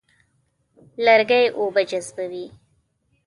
لرګی اوبه جذبوي.